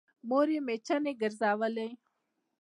مور يې مېچنې ګرځولې